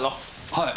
はい。